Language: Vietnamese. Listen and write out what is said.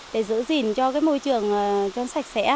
để giữ gìn cho môi trường sạch sẽ